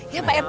iya pak rt